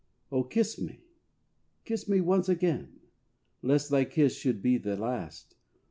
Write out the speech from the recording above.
Oh! kiss me, kiss me, once again, Lest thy kiss should be the last.